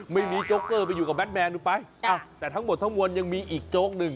ไม่มีโจ๊กเกอร์ไปอยู่กับแบทแมนอุปัยอ่ะแต่ทั้งหมดทั้งมวลยังมีอีกโจ๊กหนึ่ง